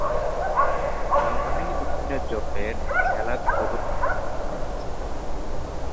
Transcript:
নৌবাহিনী বিভিন্ন জলের খেলাধুলার জন্যও নদীটি ব্যবহার করে।